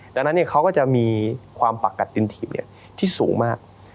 ดังนั้นเขาก็จะมีความปากกัดดินถีบที่สูงมาก